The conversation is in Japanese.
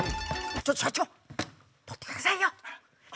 ちょっと社長取って下さいよ。え？